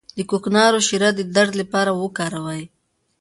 د کوکنارو شیره د درد لپاره وکاروئ